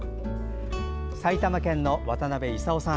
埼玉県の渡辺伊佐雄さん。